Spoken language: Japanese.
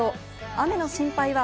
雨の心配は